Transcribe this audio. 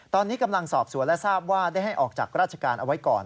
ตอนนี้กำลังสอบสวนและทราบว่าได้ให้ออกจากราชการเอาไว้ก่อน